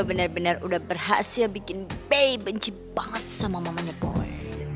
benar benar udah berhasil bikin pay benci banget sama mamanya boy